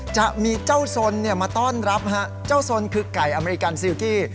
จะมีเจ้าสนมาต้อนรับเจ้าสนคือไก่อเมริกันซิลกี้